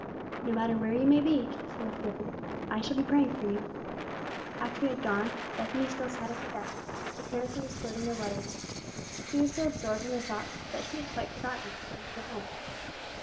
"No matter where you may be," she said as he opened it, "I shall be praying for you." After he had gone, Bethany still sat at her desk, mechanically assorting the letters. She was so absorbed in her thoughts that she had quite forgotten it was time to go home.